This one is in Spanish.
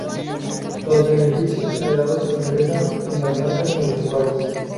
Los beneficios generados se ingresan en las arcas municipales.